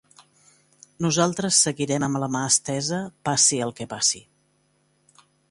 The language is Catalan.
Nosaltres seguirem amb la mà estesa, passi el que passi.